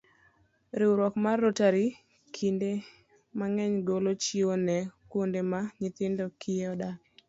Riwruok mar Rotary kinde mang'eny golo chiwo ne kuonde ma nyithind kiye odakie.